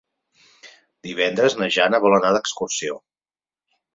Divendres na Jana vol anar d'excursió.